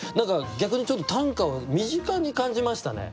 逆にちょっと短歌を身近に感じましたね。